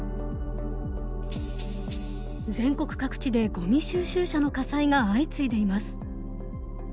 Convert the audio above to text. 全国各地でごみ収集車の火災が相次いでいます。